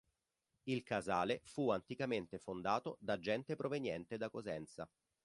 Il Casale fu anticamente fondato da gente proveniente da Cosenza.